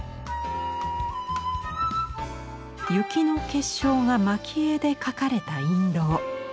雪の結晶が蒔絵で描かれた印籠。